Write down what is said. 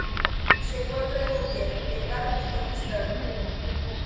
Se encuentra en India, Nepal, y Pakistán.